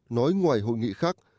nói ngoài hội nghị khác